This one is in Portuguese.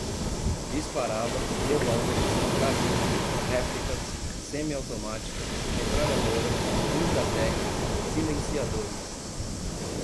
disparava, revólveres, calibre, réplicas, semi-automática, metralhadora, intratec, silenciadores